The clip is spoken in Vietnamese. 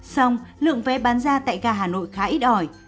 xong lượng vé bán ra tại ga hà nội khá ít ỏi